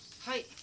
はい。